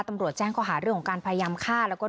ตำรวจแจ้งก็หาเรื่องของการพยายามฆ่า